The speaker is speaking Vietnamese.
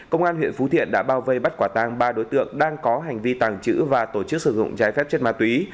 công an huyện phú thiện đã bao vây bắt quả tàng ba đối tượng đang có hành vi tàng chữ và tổ chức sử dụng trái phép trên mặt túy